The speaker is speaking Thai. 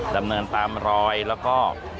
ดำเนินตามรอยแล้วก็